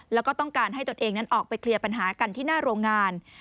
แล้วก็ต้องการให้ตนเองนั้นออกไปเคลียร์ปัญหากันที่หน้าโรงงาน